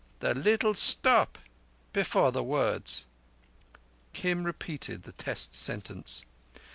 The little stop before the words." Kim repeated the test sentence.